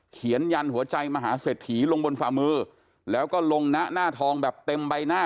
ยันหัวใจมหาเศรษฐีลงบนฝ่ามือแล้วก็ลงนะหน้าทองแบบเต็มใบหน้า